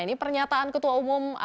ini pernyataan ketua umum